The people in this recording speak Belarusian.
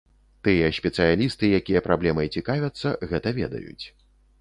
Тыя спецыялісты, якія праблемай цікавяцца, гэта ведаюць.